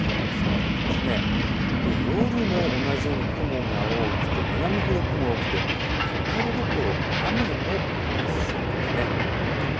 そして夜も同じように雲が多くて南ほど雲が多くてところどころ雨もありそうです。